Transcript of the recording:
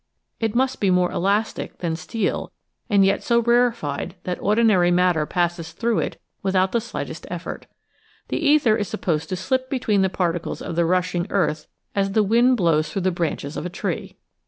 It must be more elastic than steel and yet so rarefied that ordinary matter passes through it without the slightest effort. The ether is supposed to slip between the particles of the rushing earth as the wind blows through the branches of a tree.